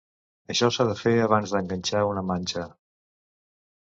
Això s'ha de fer abans d'enganxar una manxa.